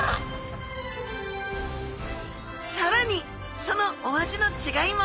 さらにそのお味の違いも！